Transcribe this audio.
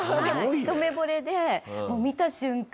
一目惚れで見た瞬間